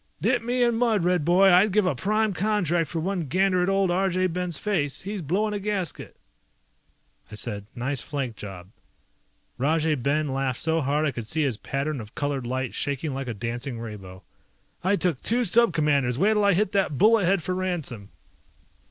"Dip me in mud, Red boy, I'd give a prime contract for one gander at old Arjay Ben's face. He's blowing a gasket!" I said, "Nice flank job." Rajay Ben laughed so hard I could see his pattern of colored light shaking like a dancing rainbow. "I took two Sub Commanders, wait'll I hit that bullet head for ransom!"